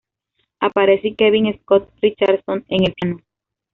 Aparece Kevin Scott Richardson en el piano.